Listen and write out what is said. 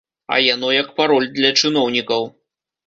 А яно як пароль для чыноўнікаў.